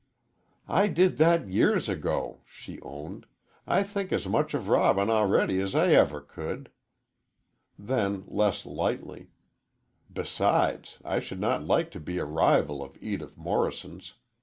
"I did that years ago," she owned. "I think as much of Robin already as I ever could." Then, less lightly, "Besides, I should not like to be a rival of Edith Morrison's.